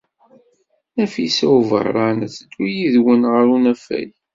Nafisa n Ubeṛṛan ad teddu yid-wen ɣer unafag.